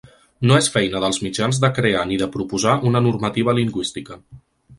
No és feina dels mitjans de crear ni de proposar una normativa lingüística.